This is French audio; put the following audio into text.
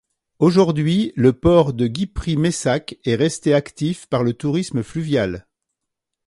Aujourd'hui, le port de Guipry-Messac est resté actif par le tourisme fluvial.